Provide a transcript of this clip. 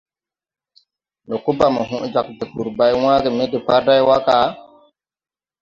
Ndo ko ba mo hoʼ jāg tpuri bày wããge me de depārday wa ga?